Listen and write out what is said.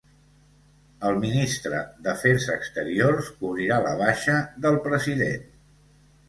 El ministre d'Afers Exteriors cobrirà la baixa del president